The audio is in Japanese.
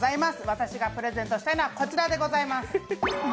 私がプレゼントしたいのはこちらでございます。